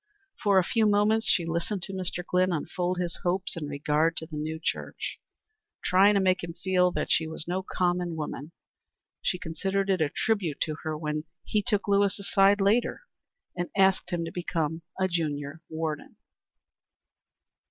For a few moments she listened to Mr. Glynn unfold his hopes in regard to the new church, trying to make him feel that she was no common woman. She considered it a tribute to her when he took Lewis aside later and asked him to become a junior warden.